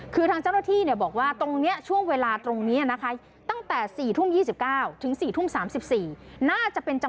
คือทางเจ้าหน้าที่บอกว่าช่วงเวลาตรงนี้นะคะ